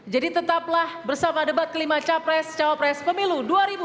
jadi tetaplah bersama debat kelima capres cawapres pemilu dua ribu sembilan belas